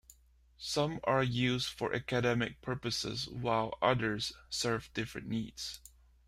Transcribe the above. Some are used for academic purposes, while others serve different needs.